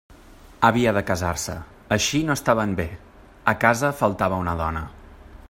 Havia de casar-se; així no estaven bé: a casa faltava una dona.